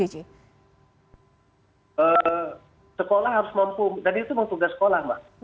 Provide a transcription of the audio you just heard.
sekolah harus mampu dan itu memang tugas sekolah mbak